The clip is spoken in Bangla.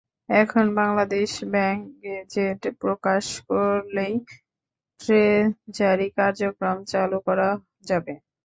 এখন বাংলাদেশ ব্যাংক গেজেট প্রকাশ করলেই ট্রেজারি কার্যক্রম চালু করা যাবে।